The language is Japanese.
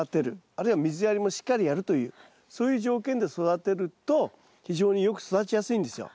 あるいは水やりもしっかりやるというそういう条件で育てると非常によく育ちやすいんですよ